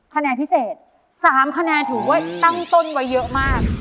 คะแนนพิเศษ๓คะแนนถือว่าตั้งต้นไว้เยอะมาก